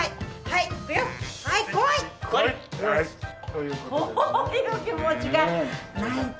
こういう気持ちがないとダメなのよ。